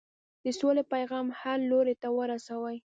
د سولې پیغام هر لوري ته ورسوئ.